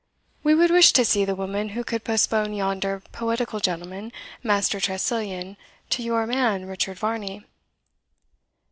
We would wish to see the woman who could postpone yonder poetical gentleman, Master Tressilian, to your man, Richard Varney.'